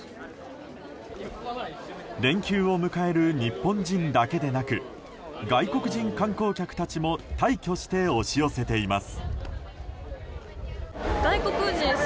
連休を迎える日本人だけでなく外国人観光客たちも大挙して押し寄せています。